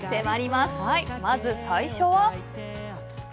まず最初は。